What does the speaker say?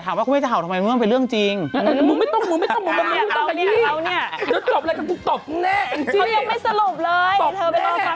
ชีวิตยังไม่สรุปเลยเธอไปรอครั้งเขาพูดก่อนเออโอเคตกแม่ตกแม่